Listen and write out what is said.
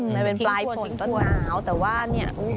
มันเป็นปลายฝนต้นหนาวแต่ว่าเนี่ย